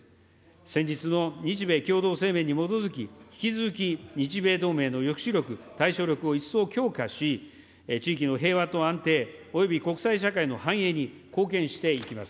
先日の日米共同声明に基づき、引き続き日米同盟の抑止力、対処力を一層強化し、地域の平和と安定、および国際社会の繁栄に貢献していきます。